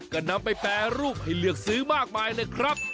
ก็นำไปแปรรูปให้เลือกซื้อมากมายเลยครับ